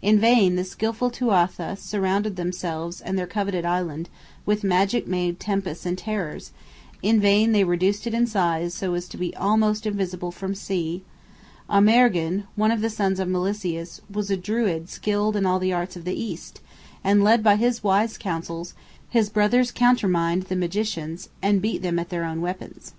In vain the skilful Tuatha surrounded themselves and their coveted island with magic made tempest and terrors; in vain they reduced it in size so as to be almost invisible from sea; Amergin, one of the sons of Milesius, was a Druid skilled in all the arts of the east, and led by his wise counsels, his brothers countermined the magicians, and beat them at their own weapons.